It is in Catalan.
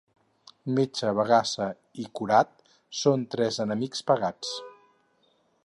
Metge, bagassa i curat són tres enemics pagats.